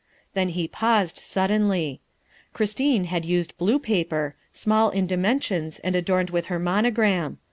Then he paused suddenly. Christine had used blue paper, small in dimensions and adorned with her mono gram.